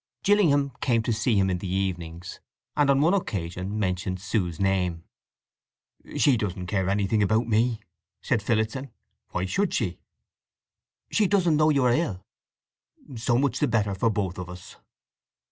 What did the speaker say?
Gillingham came to see him in the evenings, and on one occasion mentioned Sue's name. "She doesn't care anything about me!" said Phillotson. "Why should she?" "She doesn't know you are ill." "So much the better for both of us."